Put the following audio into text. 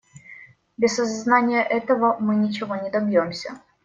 Без осознания этого мы ничего не добьемся.